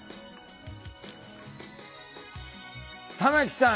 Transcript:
玉木さん